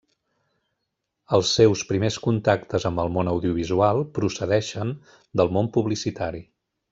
Els seus primers contactes amb el món audiovisual procedeixen del món publicitari.